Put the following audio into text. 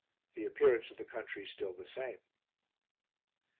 The appearance of the country still the same.